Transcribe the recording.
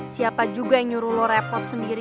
siapa juga nyuruh repot sendiri